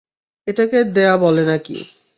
এটাকে দেয়া বলে নাকি?